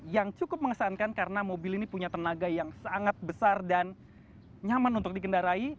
yang cukup mengesankan karena mobil ini punya tenaga yang sangat besar dan nyaman untuk dikendarai